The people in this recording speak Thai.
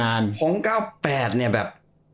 ของ๙๘เนี่ยแบบ